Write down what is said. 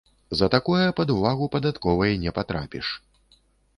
За такое пад увагу падатковай не патрапіш.